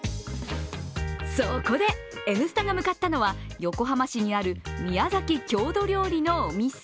そこで「Ｎスタ」が向かったのは横浜市にある宮崎郷土料理のお店。